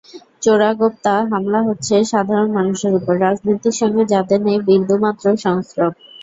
চোরাগোপ্তা হামলা হচ্ছে সাধারণ মানুষের ওপর—রাজনীতির সঙ্গে যাদের নেই বিন্দুমাত্র সংস্রব।